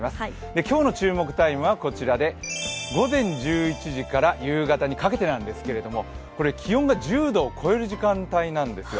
今日の注目タイムはこちらで、午前１１時から夕方にかけてなんですけど、これ、気温が１０度を超える時間帯なんですよ。